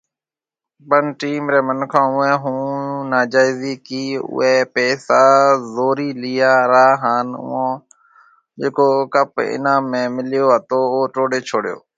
پڻ ٽيم ري منکون اوئي ھونناجائيزي ڪي اوئي پئسا زوري ليا را هان اوئي جڪو ڪپ انعام ۾ مليو او ٽوڙي ڇوڙيو